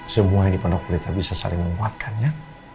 semua yang di pendokter kita bisa saling menguatkannya